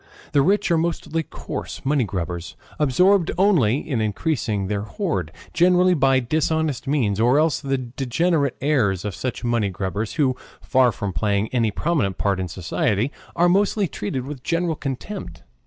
The rich are mostly coarse money grubbers, absorbed only, in increasing their hoard, generally by dishonest means, or else the degenerate heirs of such money grubbers, who, far from playing any prominent part in society, are mostly treated with general contempt.